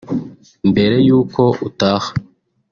Mbere y'uko utaha